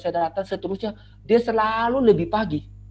dia selalu lebih pagi